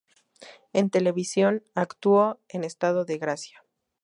En televisión, actuó en "Estado de gracia".